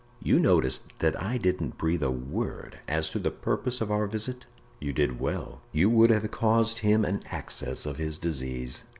"You noticed that I didn't breathe a word as to the purpose of our visit?" "You did well; you would have caused him an access of his disease.